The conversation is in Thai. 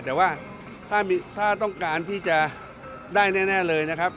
แต่ว่าถ้าต้องการที่จะได้แน่เลยนะครับ